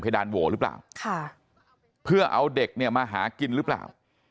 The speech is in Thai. ดานโหวหรือเปล่าค่ะเพื่อเอาเด็กเนี่ยมาหากินหรือเปล่า